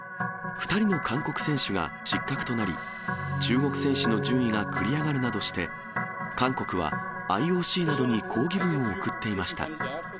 ２人の韓国選手が失格となり、中国選手の順位が繰り上がるなどして、韓国はＩＯＣなどに抗議文を送っていました。